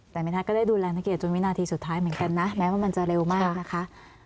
แต่เมทัศน์ก็ได้ดูแลนักเกียจจนวินาทีสุดท้ายเหมือนกันนะแม้ว่ามันจะเร็วมากนะคะ